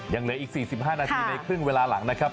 ยังเหลืออีก๔๕นาทีในครึ่งเวลาหลังนะครับ